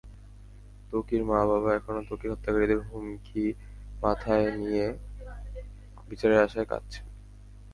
ত্বকীর মা-বাবা এখনো ত্বকীর হত্যাকারীদের হুমকি মাথায় নিয়ে বিচারের আশায় কাঁদছেন।